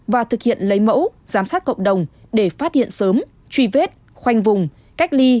và thực hiện lấy mẫu giám sát cộng đồng để phát hiện sớm truy vết khoanh vùng cách ly